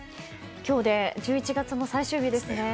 今日で１１月も最終日ですね。